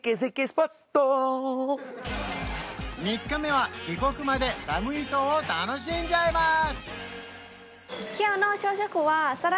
スポット３日目は帰国までサムイ島を楽しんじゃいます